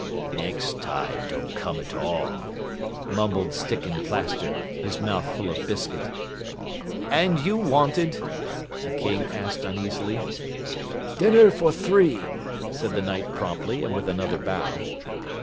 "Next time, don't come at all," mumbled Sticken Plaster, his mouth full of biscuit. "And you wanted?" the King asked uneasily. "Dinner for three," said the Knight promptly and with another bow.